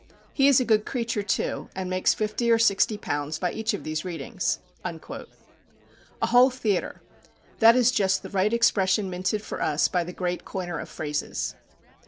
He is a good creature, too, and makes fifty or sixty pounds by each of these readings." "A whole theatre" that is just the right expression minted for us by the great coiner of phrases.